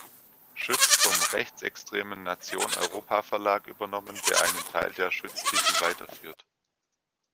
Schütz vom rechtsextremen Nation Europa-Verlag übernommen, der einen Teil der Schütz-Titel weiterführt.